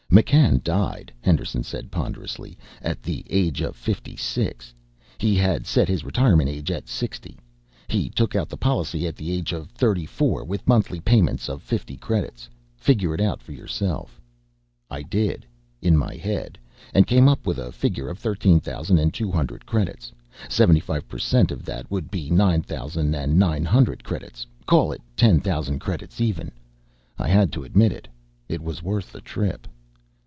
"McCann died," Henderson said ponderously, "at the age of fifty six. He had set his retirement age at sixty. He took out the policy at the age of thirty four, with monthly payments of fifty credits. Figure it out for yourself." I did in my head and came up with a figure of thirteen thousand and two hundred credits. Seventy five per cent of that would be nine thousand and nine hundred credits. Call it ten thousand credits even. I had to admit it. It was worth the trip.